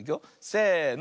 せの。